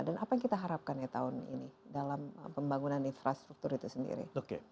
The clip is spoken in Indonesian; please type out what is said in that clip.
dan apa yang kita harapkan tahun ini dalam pembangunan infrastruktur itu sendiri